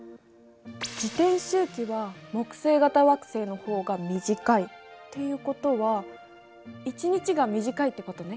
自転周期は木星型惑星の方が短いっていうことは一日が短いってことね。